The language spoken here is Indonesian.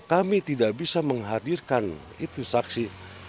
kami tidak bisa menghadirkan itu saksi